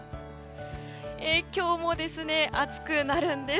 今日も暑くなるんです。